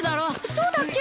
そうだっけ？